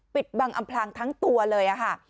ปิดบังอำพลางทั้งตัวเลยค่ะ